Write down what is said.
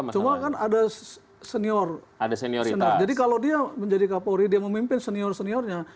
cuma kan ada senioritas jadi kalau dia menjadi kapolri dia memimpin senior seniornya